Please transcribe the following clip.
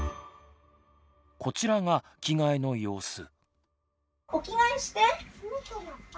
こちらが着替えの様子。